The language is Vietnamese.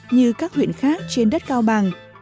như các huyện khác trên đất cao bằng